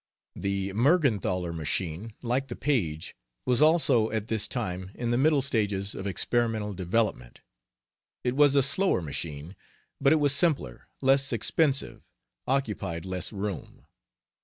The Mergenthaler machine, like the Paige, was also at this time in the middle stages of experimental development. It was a slower machine, but it was simpler, less expensive, occupied less room.